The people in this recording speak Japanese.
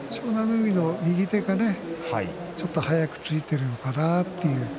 海の右手がちょっと早くついているのかなと。